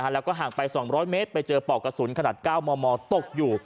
แล้วก็ห่างไป๒๐๐เมตรไปเจอปอกกระสุนขนาด๙มมตกอยู่